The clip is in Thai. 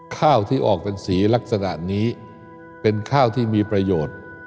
ข้าวที่ออกเป็นสีลักษณะนี้เป็นข้าวที่มีประโยชน์